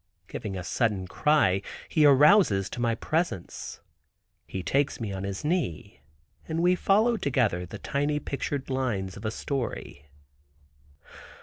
Giving a sudden cry, he arouses to my presence. He takes me on his knee, and we follow together the tiny pictured lines of a story.